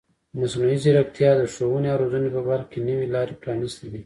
مصنوعي ځیرکتیا د ښوونې او روزنې په برخه کې نوې لارې پرانیستې دي.